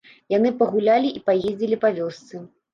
Яны пагулялі і паездзілі па вёсцы.